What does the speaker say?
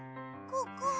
ここは？